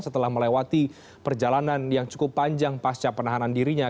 setelah melewati perjalanan yang cukup panjang pasca penahanan dirinya